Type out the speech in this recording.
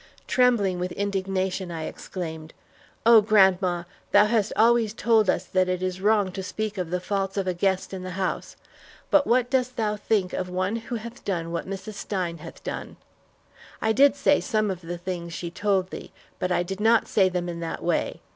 Trembling with indignation, I exclaimed, "Oh, grandma, thou hast always told us that it is wrong to speak of the faults of a guest in the house, but what dost thou think of one who hath done what Mrs. Stein hath done? I did say some of the things she told thee, but I did not say them in that way.